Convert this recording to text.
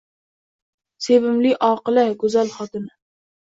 Sevimli, oqila, go’zal xotini.